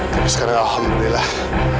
tapi sekarang alhamdulillah